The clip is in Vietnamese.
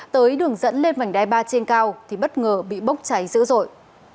tới đường dẫn lên vành đai ba trên cao thì bất ngờ bị bốc cháy dữ dội